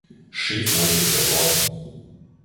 Schiefmund unterworfen.